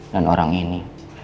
dan orang ini